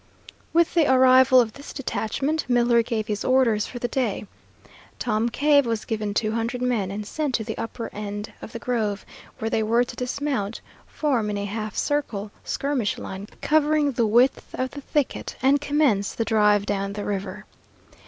With the arrival of this detachment, Miller gave his orders for the day. Tom Cave was given two hundred men and sent to the upper end of the grove, where they were to dismount, form in a half circle skirmish line covering the width of the thicket, and commence the drive down the river.